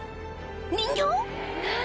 人形？